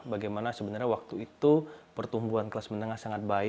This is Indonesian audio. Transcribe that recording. bagaimana sebenarnya waktu itu pertumbuhan kelas menengah sangat baik